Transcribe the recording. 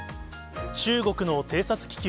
中国の偵察気球。